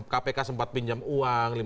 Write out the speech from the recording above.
kpk sempat pinjam uang